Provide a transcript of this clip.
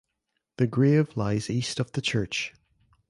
The grave lies east of the church.